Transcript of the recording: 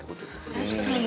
確かに。